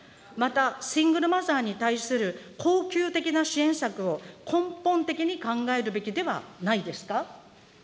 また、シングルマザーに対する恒久的な支援策を根本的に考えるべきではないですか。